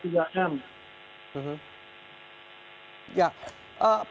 dan melakukan tiga m